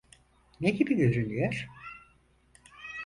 Ne gibi görünüyor?